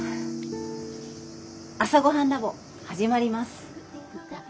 「朝ごはんＬａｂ．」始まります。